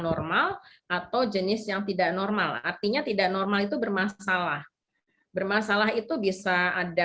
normal atau jenis yang tidak normal artinya tidak normal itu bermasalah bermasalah itu bisa ada